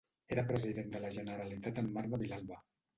Era President de la Generalitat en Marc de Vilalba.